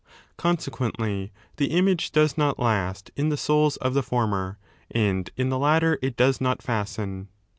Con sequently, 'the image does not last in the soula of the 13 former, and in the latter it does not fasten.